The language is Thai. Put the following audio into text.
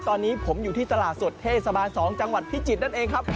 ตอนนี้ผมอยู่ที่ตลาดสดเทศบาล๒จังหวัดพิจิตรนั่นเองครับ